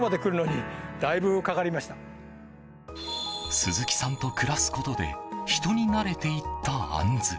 鈴木さんと暮らすことで人に慣れていったアンズ。